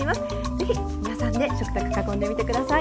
是非皆さんで食卓囲んでみて下さい。